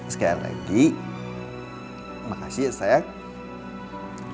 sekali lagi makasih ya saya